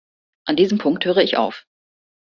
An diesem Punkt höre ich auf.